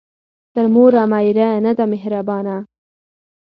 ـ تر موره مېره ،نه ده مهربانه.